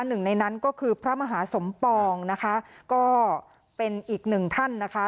หนึ่งในนั้นก็คือพระมหาสมปองนะคะก็เป็นอีกหนึ่งท่านนะคะ